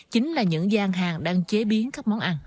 chính là những gian hàng đang chế biến các món ăn